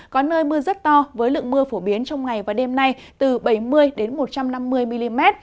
có nơi mưa rất to với lượng mưa phổ biến trong ngày và đêm nay từ bảy mươi một trăm năm mươi mm